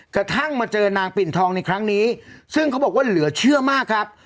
กระทั่งมาเจอนางปิ่นทองในครั้งนี้ซึ่งเขาบอกว่าเหลือเชื่อมากครับ